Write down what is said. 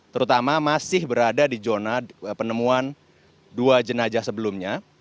terutama masih berada di zona penemuan dua jenajah sebelumnya